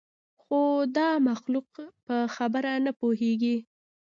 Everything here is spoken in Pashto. خو دا مخلوق په خبره نه پوهېږي.